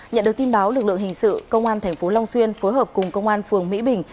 nhận được tin báo lực lượng hình sự công an tp long xuyên phối hợp cùng công an phường mỹ bình